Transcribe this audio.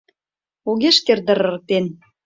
Огеш керт дыр ырыктен...